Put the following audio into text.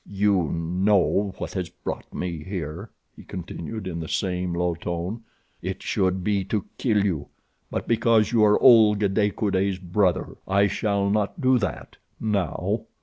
"You know what has brought me here," he continued, in the same low tone. "It should be to kill you, but because you are Olga de Coude's brother I shall not do that—now.